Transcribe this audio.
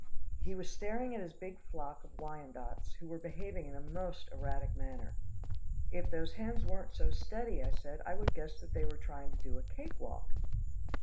He was staring at his big flock of Wyandottes who were behaving in a most erratic manner. "If those hens weren't so steady," I said, "I would guess that they are trying to do a cake walk."